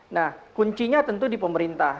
nah kuncinya tentu di pemerintah